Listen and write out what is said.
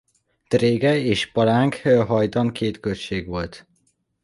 Drégely és Palánk hajdan két község volt.